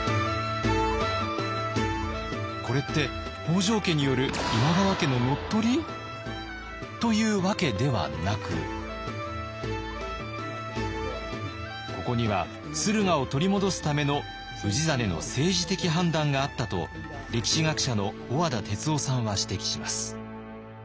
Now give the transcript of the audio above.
これって北条家による今川家ののっとり？というわけではなくここには駿河を取り戻すための氏真の政治的判断があったと歴史学者の小和田哲男さんは指摘します。